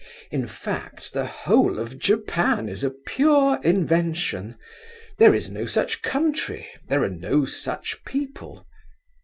In fact the whole of Japan is a pure invention. There is no such country, there are no such people.